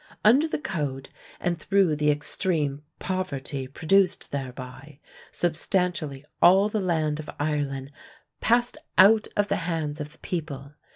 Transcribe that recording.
Under the Code, and through the extreme poverty produced thereby, substantially all the land of Ireland passed out of the hands of the people.